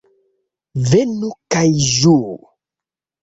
Venu kaj ĝuu!